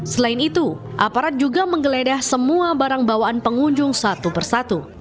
selain itu aparat juga menggeledah semua barang bawaan pengunjung satu persatu